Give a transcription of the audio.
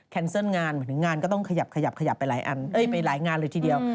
แคนเซิลงานเหมือนถึงงานก็ต้องขยับไปหลายงานเลยทีเดียว